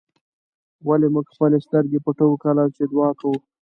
ولې موږ خپلې سترګې پټوو کله چې دعا کوو.